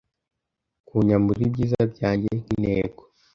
Kunyambura ibyiza byanjye nkintego,